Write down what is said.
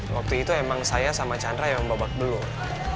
waktu itu emang saya sama chandra yang babak belur